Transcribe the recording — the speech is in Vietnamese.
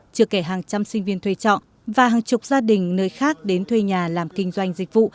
chưa kể hàng trăm sinh viên thuê trọ và hàng chục gia đình nơi khác đến thuê nhà làm kinh doanh dịch vụ